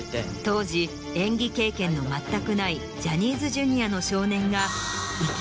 当時演技経験の全くないジャニーズＪｒ．の少年が。